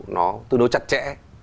nó tương đối chặt chẽ